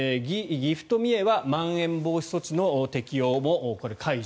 岐阜と三重はまん延防止措置の適用も解除。